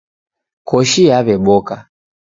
Koshi yaweboka